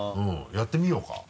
やってみようか。